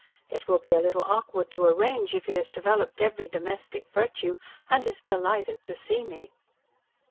It will be a little awkward to arrange, if he has developed every domestic virtue, and is delighted to see me."